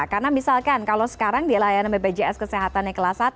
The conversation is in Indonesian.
karena misalkan kalau sekarang dilayan bpjs kesehatannya kelas satu